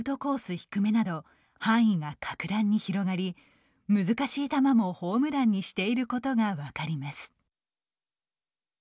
低めなど範囲が格段に広がり難しい球もホームランにしていることが分かります。